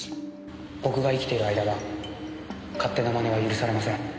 僕が生きている間は勝手な真似は許されません。